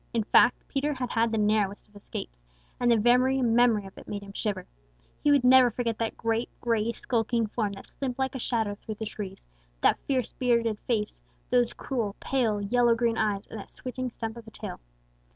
In fact, Peter had had the narrowest of escapes, and the very memory of it made him shiver. He never would forget that great, gray, skulking form that slipped like a shadow through the trees, that fierce, bearded face, those cruel, pale yellow green eyes, or that switching stump of a tail.